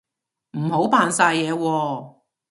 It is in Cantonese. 唔好扮晒嘢喎